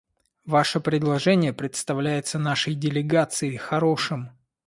Ваше предложение представляется нашей делегации хорошим.